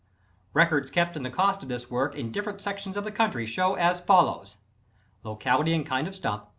Records kept of the cost of this work in different sections of the country show as follows: Locality and Kind of Stump.